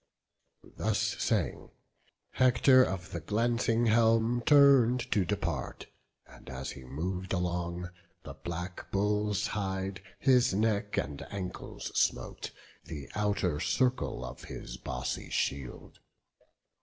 Thus saying, Hector of the glancing helm Turn'd to depart; and as he mov'd along, The black bull's hide his neck and ancles smote, The outer circle of his bossy shield.